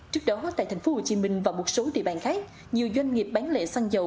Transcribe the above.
trước đó tại tp hcm và một số địa bàn khác nhiều doanh nghiệp bán lẻ xăng dầu